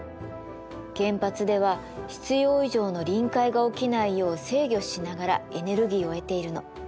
原発では必要以上の臨界が起きないよう制御しながらエネルギーを得ているの。